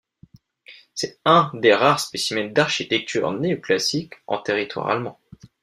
C’est un des rares spécimen d’architecture néoclassique en territoire allemand.